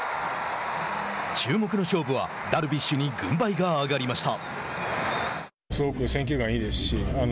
注目の勝負はダルビッシュに軍配が上がりました。